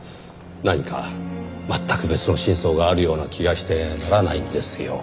何か全く別の真相があるような気がしてならないんですよ。